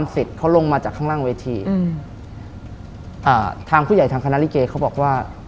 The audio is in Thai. ซึ่งทางผู้ใหญ่ของคณลิเกย์เขาบอกว่า